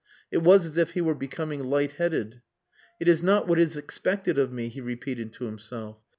It was as if he were becoming light headed. "It is not what is expected of me," he repeated to himself.